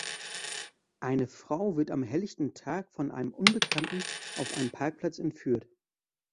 Eine Frau wird am helllichten Tag von einem Unbekannten auf einem Parkplatz entführt.